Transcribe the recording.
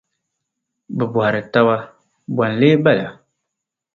bɛ bɔhiri taba, “Bɔ n-lee bala?”